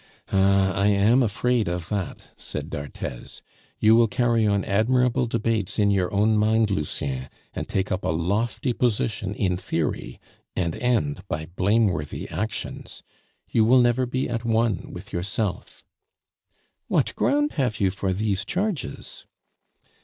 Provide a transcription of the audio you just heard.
"Ah! I am afraid of that," said d'Arthez. "You will carry on admirable debates in your own mind, Lucien, and take up a lofty position in theory, and end by blameworthy actions. You will never be at one with yourself." "What ground have you for these charges?"